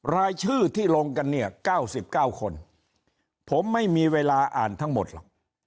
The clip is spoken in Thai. รายชื่อที่ลงกันเนี่ย๙๙คนผมไม่มีเวลาอ่านทั้งหมดหรอก